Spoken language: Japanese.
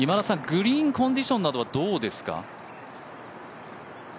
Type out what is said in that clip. グリーンコンディションなどはどうですか？